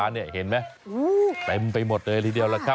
เต็มไปหมดเลยทุกที่เดียว